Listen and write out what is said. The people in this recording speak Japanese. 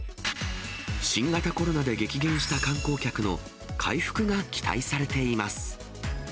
新型コロナで激減した観光客の回復が期待されています。